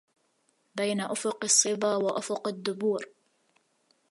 بين أفق الصبا وأفق الدبور